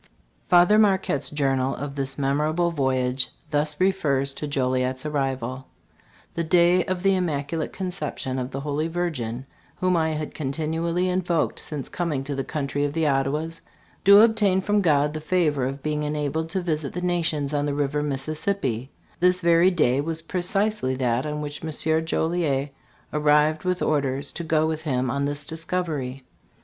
Father Marquette's journal of this memorable voyage thus refers to Joliet's arrival: "The day of the Immaculate Conception of the Holy Virgin, whom I had continually invoked since coming to the country of the Ottawas, to ob tain from God the favor of being enabled to visit the nations on the river Mississippi this very day was precisely that on which M. Joliet arrived with orders to go with him on this discovery.